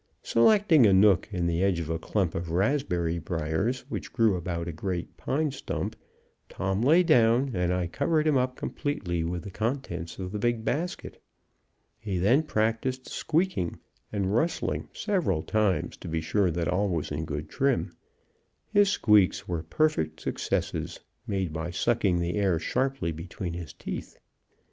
Selecting a nook in the edge of a clump of raspberry briars which grew about a great pine stump, Tom lay down, and I covered him up completely with the contents of the big basket. He then practiced squeaking and rustling several times to be sure that all was in good trim. His squeaks were perfect successes made by sucking the air sharply betwixt his teeth.